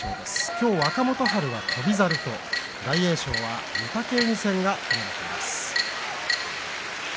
今日、若元春は翔猿大栄翔は御嶽海戦が組まれています。